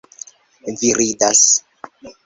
Vi ridas!